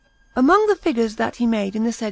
Among the figures that he made in the said S.